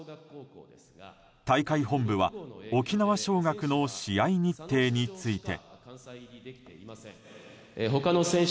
大会本部は、沖縄尚学の試合日程について。